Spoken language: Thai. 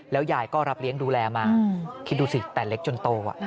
ยายก็รับเลี้ยงดูแลมาคิดดูสิแต่เล็กจนโต